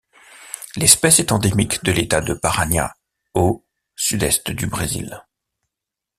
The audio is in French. L'espèce est endémique de l'État de Paraná au sud-est du Brésil.